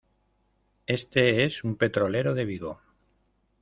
este es un petrolero de Vigo.